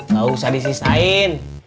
gak usah disisain